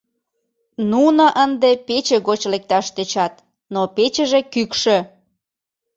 - Нуно ынде пече гоч лекташ тӧчат, но печыже кӱкшӧ.